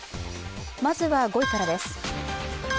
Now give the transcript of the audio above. まずは５位からです。